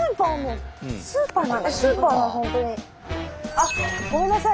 あっごめんなさい。